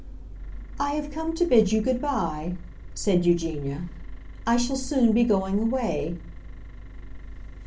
"I have come to bid you good bye," said Eugenia. "I shall soon be going away."